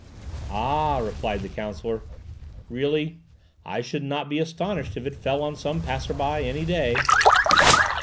"Ah!" replied the counsellor; "really, I should not be astonished if it fell on some passer by any day."